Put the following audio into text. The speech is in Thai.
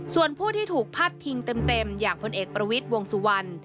ส่วนผู้ที่ถูกพาดพิงเต็มอย่างพลเอกประวิทย์วงสุวรรณ